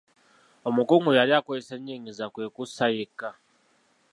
Omukungu yali akozesa enyingiza kwe kkusa yekka.